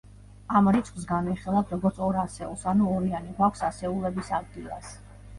ამ რიცხვს განვიხილავთ, როგორც ორ ასეულს, ანუ ორიანი გვაქვს ასეულების ადგილას.